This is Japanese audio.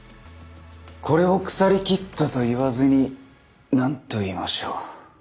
これを腐りきったと言わずに何と言いましょう。